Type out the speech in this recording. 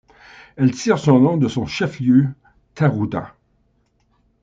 Elle tire son nom de son chef-lieu, Taroudant.